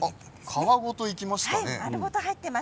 皮ごと、いきましたね。